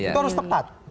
itu harus tepat